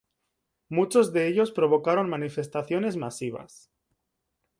Muchos de ellos provocaron manifestaciones masivas.